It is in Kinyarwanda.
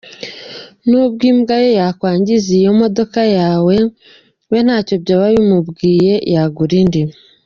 N’ubwo imbwa ye yakwangiriza iyi modoka we ntacyo byaba bimubwiye yagura indi.